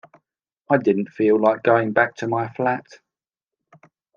I didn’t feel like going back to my flat.